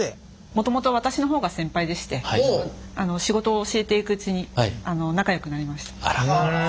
もともと私の方が先輩でして仕事を教えていくうちに仲よくなりました。